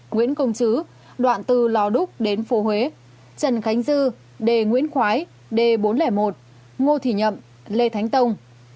nguyễn công chứ đoạn từ lò đúc đến phố huế trần khánh dư đề nguyễn khoái d bốn trăm linh một ngô thị nhậm lê thánh tông